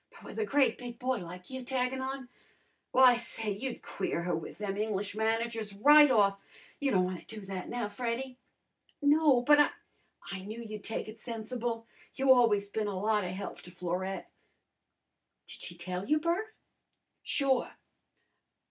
But with a great big boy like you taggin' on W'y, say, you'd queer her with them English managers right off. You don' wanna do that now, Freddy?" "No, but I " "I knew you'd take it sensible. You always bin a lot of help to Florette." "Did she tell you, Bert?" "Sure!"